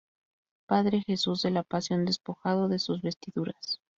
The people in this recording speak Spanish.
Padre Jesús de la Pasión Despojado de sus Vestiduras.